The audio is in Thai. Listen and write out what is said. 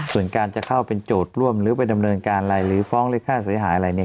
ส่วนการจะเข้าเป็นโจทย์ร่วมหรือไปดำเนินการอะไรหรือฟ้องหรือค่าเสียหายอะไรเนี่ย